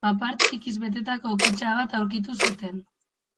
Papar txikiz betetako kutxa bat aurkitu zuten.